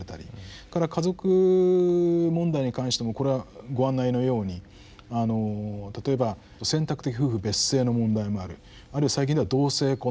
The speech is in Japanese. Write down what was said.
それから家族問題に関してもこれはご案内のように例えば選択的夫婦別姓の問題もあるあるいは最近では同性婚の問題